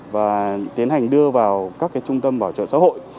và tiến hành đưa vào các trung tâm bảo trợ xã hội